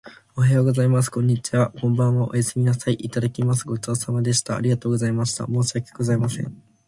おはようございます。こんにちは。こんばんは。おやすみなさい。いただきます。ごちそうさまでした。ありがとうございます。申し訳ございません。